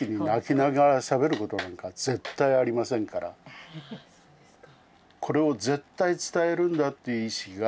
実はそうですか。